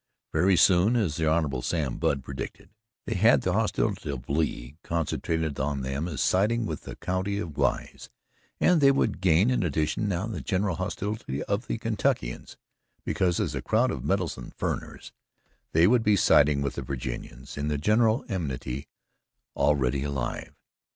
Very soon, as the Hon. Sam Budd predicted, they had the hostility of Lee concentrated on them as siding with the county of Wise, and they would gain, in addition now, the general hostility of the Kentuckians, because as a crowd of meddlesome "furriners" they would be siding with the Virginians in the general enmity already alive.